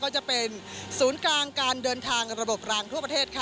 ก็จะเป็นศูนย์กลางการเดินทางระบบรางทั่วประเทศค่ะ